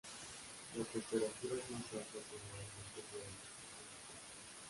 Las temperaturas más altas generalmente se dan en julio y agosto.